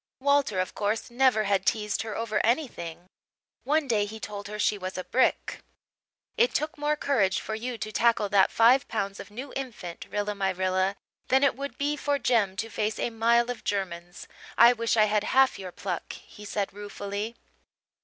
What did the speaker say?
Walter, of course, never had teased her over anything; one day he told her she was a brick. "It took more courage for you to tackle that five pounds of new infant, Rilla my Rilla, than it would be for Jem to face a mile of Germans. I wish I had half your pluck," he said ruefully.